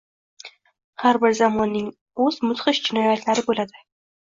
Har bir zamonning o‘z mudhish jinoyatlari bo‘ladi